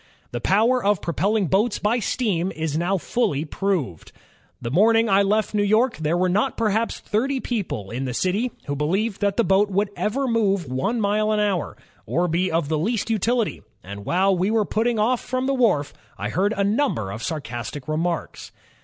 "The power of propelling boats by steam is now fully proved. The morning I left New York there were not perhaps thirty people in the city, who believed that the boat would ever move one mile an hour, or be of the least utiUty, and while we were putting off from the wharf, I heard a number of sarcastic remarks.